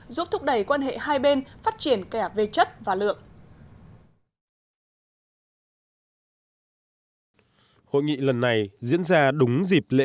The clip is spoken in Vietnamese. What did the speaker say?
giúp thúc đẩy quan hệ hai bên phát triển cả về chất và lượng